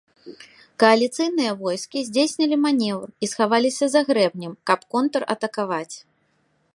Кааліцыйныя войскі здзейснілі манеўр і схаваліся за грэбнем, каб контратакаваць.